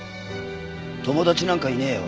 友達なんかいねえよ